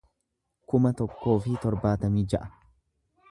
kuma tokkoo fi torbaatamii ja'a